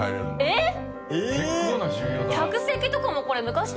えっ？